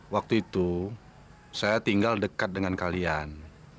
waktu itu saya tinggal dekat dengan kalian